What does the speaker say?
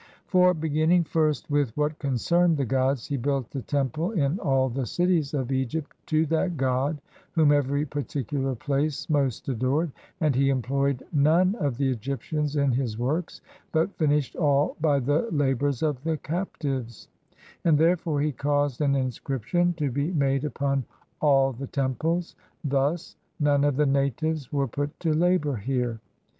For, beginning first with what concerned the gods, he built a temple in all the cities of Egypt to that god whom every particular place most adored ; and he employed none of the Egyptians in his works, but finished all by the labors of the captives; and therefore he caused an inscription to be made upon all the temples, thus :" None of the natives were put to labor here."